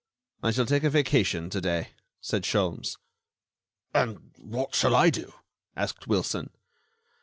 "I shall take a vacation to day," said Sholmes. "And what shall I do?" asked Wilson.